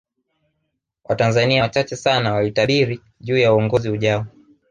Watanzania wachache sana walitabiri juu ya uongozi ujayo